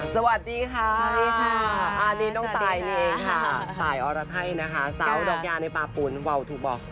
สวัสดีค่ะดินต้องตายนี่เองค่ะตายออรไทยนะคะซาวดอกยาในปลาปุ่นวาวถูกเหรอ